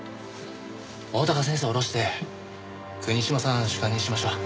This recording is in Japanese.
大鷹先生を降ろして国島さん主幹にしましょう。